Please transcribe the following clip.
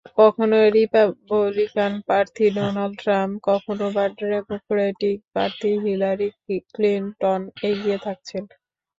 কখনো রিপাবলিকান প্রার্থী Donald Trump, কখনোবা ডেমোক্রেটিক প্রার্থী হিলারি ক্লিনটন এগিয়ে থাকছেন।